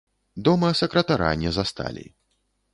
Дома сакратара не засталі.